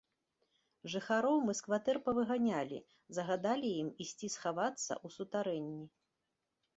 Жыхароў мы з кватэр павыганялі, загадалі ім ісці схавацца ў сутарэнні.